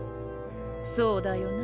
そうだよな